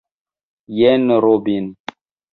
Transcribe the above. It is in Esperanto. Jen Robin